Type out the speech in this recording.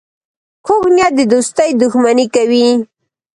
کوږ نیت د دوستۍ دښمني کوي